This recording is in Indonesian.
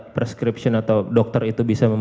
prescription atau dokter itu bisa